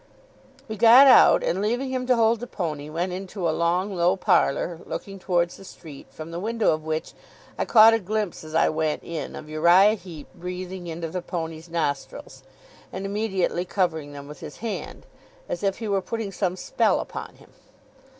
We got out; and leaving him to hold the pony, went into a long low parlour looking towards the street, from the window of which I caught a glimpse, as I went in, of Uriah Heep breathing into the pony's nostrils, and immediately covering them with his hand, as if he were putting some spell upon him.